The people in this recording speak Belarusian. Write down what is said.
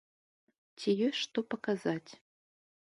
Ці ёсць што паказаць?